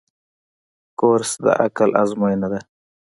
کورس د عقل آزموینه ده.